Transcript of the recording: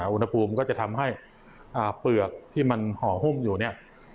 อุณหภูมิก็จะทำให้เปลือกที่มันห่อหุ้มอยู่เนี่ย